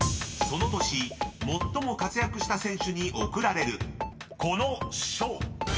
［その年最も活躍した選手に贈られるこの賞］